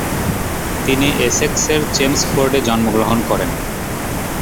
তিনি এসেক্সের চেমসফোর্ডে জন্মগ্রহণ করেন।